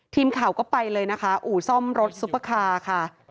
ทีมข่าวก็ไปเลยนะคะอู่ซ่อมรถซุปเปอร์คาร์ค่ะ